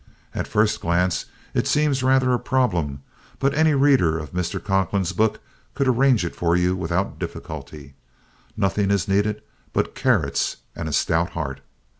At first glance it seems rather a problem, but any reader of Mr. Conklin's book could arrange it for you without difficulty. Nothing is needed but carrots and a stout heart.